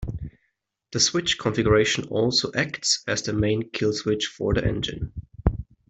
This switch configuration also acts as the main kill switch for the engine.